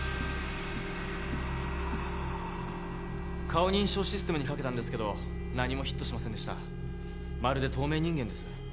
顔認証システムにかけたんですけど何もヒットしませんでしたまるで透明人間です